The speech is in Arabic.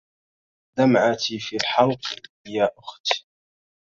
دمعتي في الحلق, يا أخت